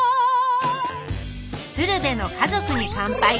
「鶴瓶の家族に乾杯」